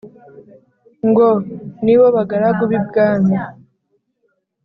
Ngo : Ni bo bagaragu b'ibwami